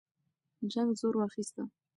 جنګ زور اخیسته.